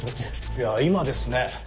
いや今ですね